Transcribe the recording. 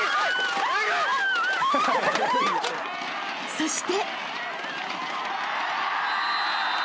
［そして］